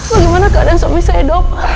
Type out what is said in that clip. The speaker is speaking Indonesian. bagaimana keadaan suami saya dok